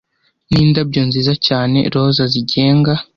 nindabyo nziza cyane roza zigenga